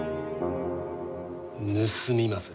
盗みまする。